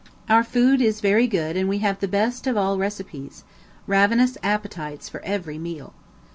Our food is very good and we have the best of all receipts, ravenous appetites for every meal.